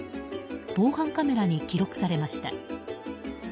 防犯カメラに記録されました。